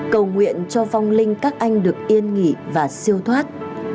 cầu nguyện cho vong linh các anh được yên nghỉ và siêu thoát